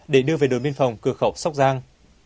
để đưa về đối biên phòng cờ khẩu sóc giang